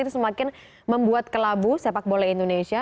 itu semakin membuat kelabu sepak bola indonesia